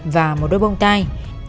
và một đôi bông tai